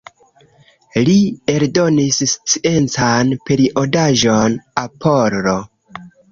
Li eldonis sciencan periodaĵon „Apollo”.